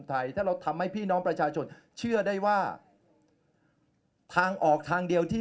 ไทยถ้าเราทำให้พี่น้องประชาชนเชื่อได้ว่าทางออกทางเดียวที่